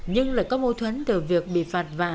nhưng lại có mâu thuẫn từ việc bị phạt